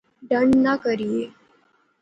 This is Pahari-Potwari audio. ڈنڈ نہ کریئے